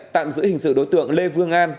tạm giữ hình sự đối tượng lê vương an